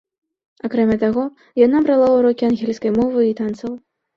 Акрамя таго, яна брала ўрокі ангельскай мовы і танцаў.